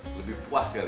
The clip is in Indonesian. lebih puas ya